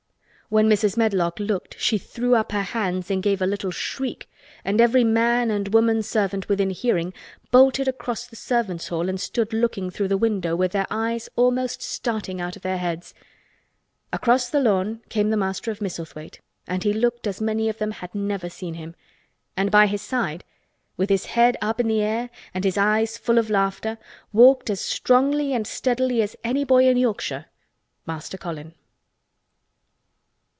When Mrs. Medlock looked she threw up her hands and gave a little shriek and every man and woman servant within hearing bolted across the servants' hall and stood looking through the window with their eyes almost starting out of their heads. Across the lawn came the Master of Misselthwaite and he looked as many of them had never seen him. And by his side with his head up in the air and his eyes full of laughter walked as strongly and steadily as any boy in Yorkshire—Master Colin!